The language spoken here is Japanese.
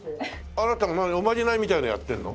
あなたおまじないみたいのやってるの？